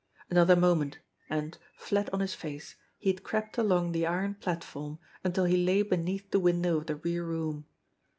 Another moment, and, flat on his face, he had crept along the iron platform until he lay beneath the window of the rear room.